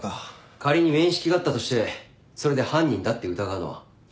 仮に面識があったとしてそれで犯人だって疑うのは一足飛び過ぎだろ。